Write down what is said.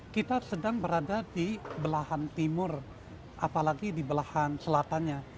kita sedang berada di belahan timur apalagi di belahan selatannya